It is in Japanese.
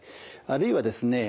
あるいはですね